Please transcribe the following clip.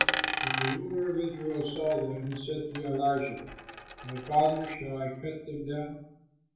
When the ruler of Israel saw them, he said to Elisha, "My father, shall I cut them down?"